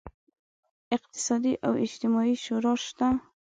اقتصادي او اجتماعي شورا شته.